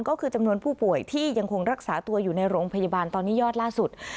ก็คือจำนวนผู้ป่วยที่ยังคงรักษาตัวอยู่ในโรงพยาบาลตอนนี้ยอดล่าสุด